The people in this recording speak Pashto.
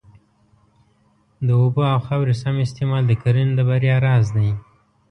د اوبو او خاورې سم استعمال د کرنې د بریا راز دی.